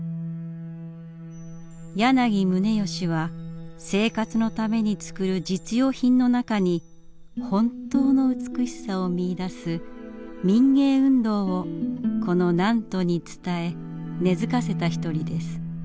柳宗悦は生活のためにつくる実用品の中に本当の美しさを見いだす「民藝運動」をこの南砺に伝え根づかせた一人です。